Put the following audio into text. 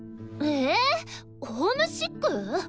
えホームシック？